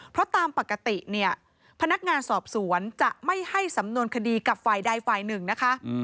เพราะตามปกติเนี่ยพนักงานสอบสวนจะไม่ให้สำนวนคดีกับฝ่ายใดฝ่ายหนึ่งนะคะ